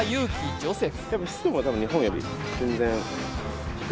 ジョセフ。